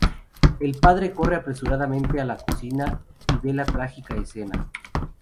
El padre corre apresuradamente a la cocina y ve la trágica escena.